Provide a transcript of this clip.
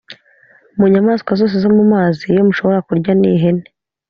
mu nyamaswa zose zo mu mazi, iyo mushobora kurya ni ihene: